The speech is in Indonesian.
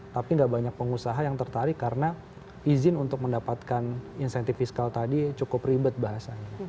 tapi nggak banyak pengusaha yang tertarik karena izin untuk mendapatkan insentif fiskal tadi cukup ribet bahasanya